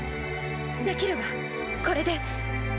できるわこれで。